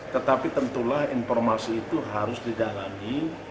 tetapi tentulah informasi itu harus didalami